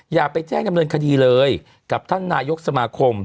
อย่าไปแจ้งดำเนินคดีเลยกับท่านนายกสมาคม